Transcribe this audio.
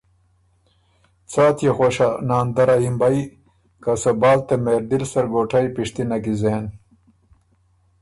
څا تيې خوش هۀ ناندرا یِمبئ! که صبال ته مهردل سرګوټئ پِشتِنه کی زېن؟“